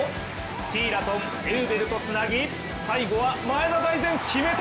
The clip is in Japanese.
ティーラトンエウベルとつなぎ最後は前田大然、決めた。